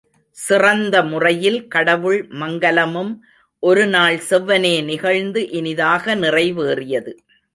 சிறந்த முறையில் கடவுள் மங்கலமும் ஒருநாள் செவ்வனே நிகழ்ந்து இனிதாக நிறைவேறியது.